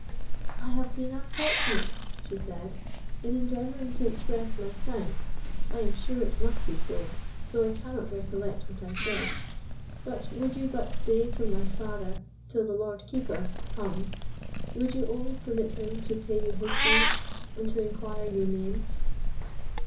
"I have been unfortunate," she said, "in endeavouring to express my thanks—I am sure it must be so, though I cannot recollect what I said; but would you but stay till my father—till the Lord Keeper comes; would you only permit him to pay you his thanks, and to inquire your name?"